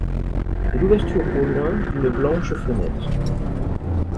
Et l'ouverture au loin d'une blanche fenêtre ;